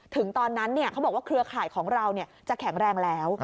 ถึงตอนนั้นเขาบอกว่าเครือข่ายของเราจะแข็งแรงแล้ว